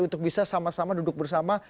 untuk bisa sama sama duduk bersama